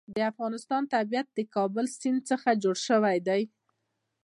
د افغانستان طبیعت له د کابل سیند څخه جوړ شوی دی.